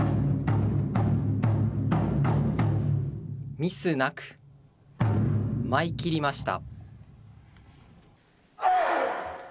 ミスなく、舞いきりました。